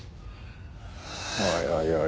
おいおいおい